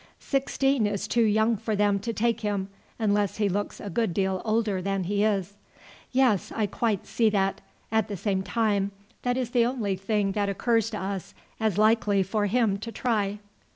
"Sixteen is too young for them to take him, unless he looks a good deal older than he is." "Yes, I quite see that. At the same time that is the only thing that occurs to us as likely for him to try."